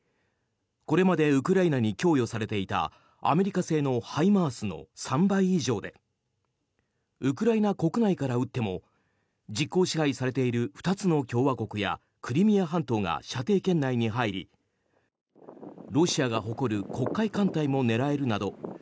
これまでウクライナに供与されていたアメリカ製のＨＩＭＡＲＳの３倍以上でウクライナ国内から撃っても実効支配されている２つの共和国やクリミア半島が射程圏内に入りロシアが誇る黒海艦隊も狙えるなど